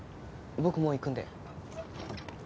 僕もう行くんで。